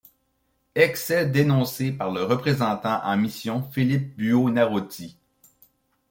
Excès dénoncés par le représentant en mission Philippe Buonarroti.